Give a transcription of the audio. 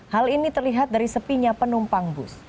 hal ini terlihat dari sepinya penumpang bus